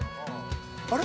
あれ？